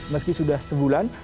meski sudah sebulan